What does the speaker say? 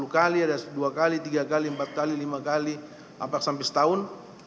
sepuluh kali ada dua kali tiga kali empat kali lima kali empat sampai setahun